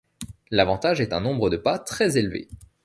L'avantage est un nombre de pas très élevé.